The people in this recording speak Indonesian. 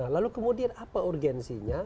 lalu kemudian apa urgensinya